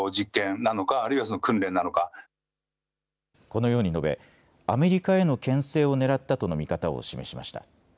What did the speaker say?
このように述べアメリカへのけん制をねらったとの見方を示しました。